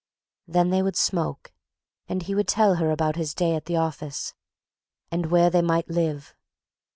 Then they would smoke and he would tell her about his day at the office—and where they might live.